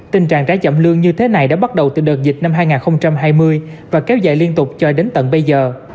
tình trạng trái chậm lương như thế này đã bắt đầu từ đợt dịch năm hai nghìn hai mươi và kéo dài liên tục cho đến tận bây giờ